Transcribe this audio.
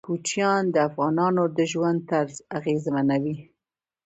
کوچیان د افغانانو د ژوند طرز اغېزمنوي.